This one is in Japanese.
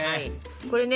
これね